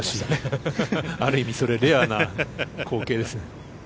ある意味それはレアな光景です。